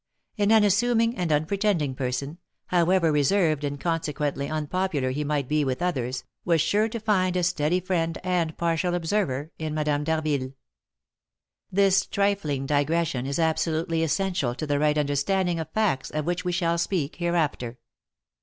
An unassuming and unpretending person, however reserved and consequently unpopular he might be with others, was sure to find a steady friend and partial observer in Madame d'Harville. This trifling digression is absolutely essential to the right understanding of facts of which we shall speak hereafter.